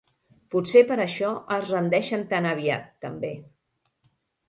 Potser per això es rendeixen tan aviat, també.